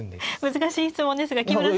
難しい質問ですが木村先生で。